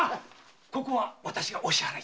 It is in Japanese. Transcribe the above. ここは私がお支払いを。